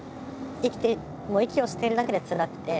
生きてもう息をしているだけでつらくて。